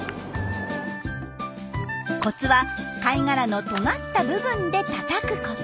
コツは貝殻のとがった部分でたたくこと。